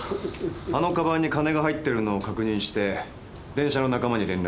あの鞄に金が入っているのを確認して電車の仲間に連絡。